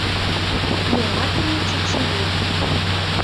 «Йӧратыме Чачием!